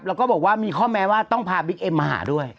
แล้วก็บอกว่ามีข้อแม้ว่าต้องพาบิ๊กเอ็มมาหาด้วย